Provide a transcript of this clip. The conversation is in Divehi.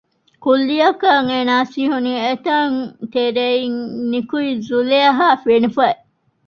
ކުއްލިއަކަށް އޭނާ ސިހުނީ އެތަން ތެރެއިން ނިކުތް ޒުލޭހާ ފެނިފަ